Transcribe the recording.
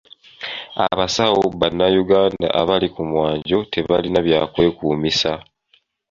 Abasawo bannayuganda abali ku mwanjo tebalina bya kwekuumisa.